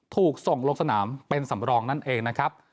ถูกส่งลงสนามเป็นสำรองนั่นเองนะครับ